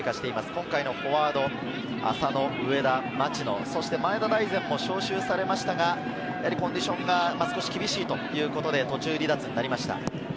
今回のフォワード、浅野、上田、町野、そして前田大然も招集されましたが、コンディションが少し厳しいということで途中離脱になりました。